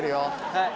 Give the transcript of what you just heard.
はい。